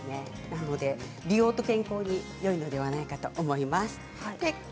なので美容と健康によいのではないかと思います。